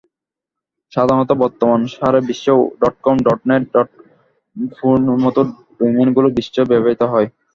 সাধারণত বর্তমানে সারা বিশ্বে ডটকম, ডটনেট, ডটইনফোর মতো ডোমেইনগুলো বেশি ব্যবহূত হয়।